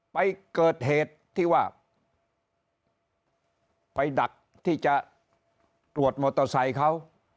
ไปเกิดเหตุที่ว่าไปดักที่จะตรวจมอเตอร์ไซค์เขา